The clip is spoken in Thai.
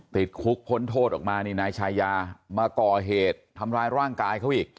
ติดคุกพ้นโทษออกมานี่นายชายามาก่อเหตุทำร้ายร่างกายเขาอีก